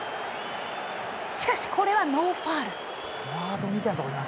しかし、これはノーファウル。